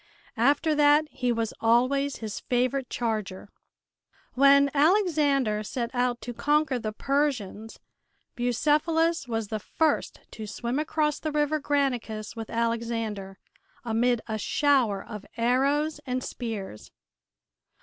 After that he was always his favorite charger. When Alexander set out to conquer the Persians Bucephalus was the first to swim across the River Granicus with Alexander, amid a shower of arrows and spears.